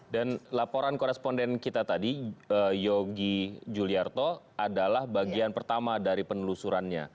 dan laporan koresponden kita tadi yogi tujuliarto adalah bagian pertama dari penelusurannya